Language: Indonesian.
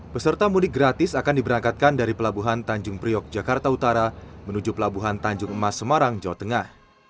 peserta mudik gratis akan diberangkatkan dari pelabuhan tanjung priok jakarta utara menuju pelabuhan tanjung emas semarang jawa tengah